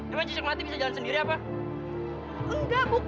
enggak bukan maksudnya gini loh jawab jawab